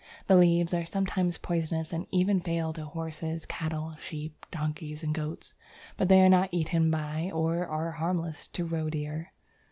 The leaves are sometimes poisonous and even fatal to horses, cattle, sheep, donkeys, and goats, but they are not eaten by or are harmless to roedeer.